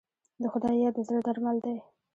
د خدای یاد د زړه درمل دی.